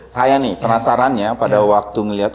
saya nih penasarannya pada waktu ngelihat